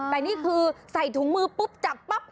แต่นี่คือใส่ถุงมือปุ๊บจับปั๊บ